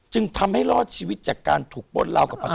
จึงทำให้รอดชีวิตจากการถูกโปรดเล่ากับปฏิหรัฐ